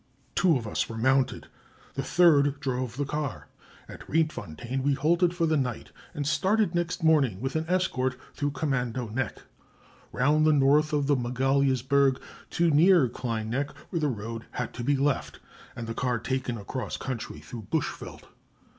Two of us were mounted, the third drove the car. At Rietfontein we halted for the night, and started next morning with an escort through Commando Nek, round the north of the Magaliesburg, to near Klein Nek, where the road had to be left, and the car taken across country through bush veldt.